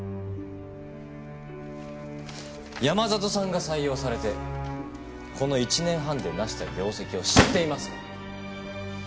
山里さんが採用されてこの１年半で成した業績を知っていますか？